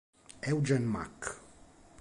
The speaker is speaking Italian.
Eugen Mack